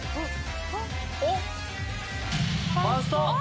おっ？